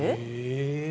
え？